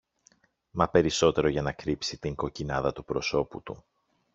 μα περισσότερο για να κρύψει την κοκκινάδα του προσώπου του.